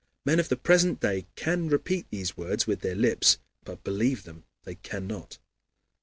Men of the present day can repeat these words with their lips, but believe them they cannot.